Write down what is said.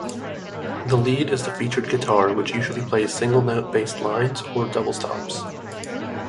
The lead is the featured guitar, which usually plays single-note-based lines or double-stops.